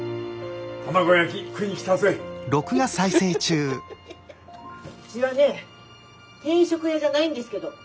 うちはね定食屋じゃないんですけど。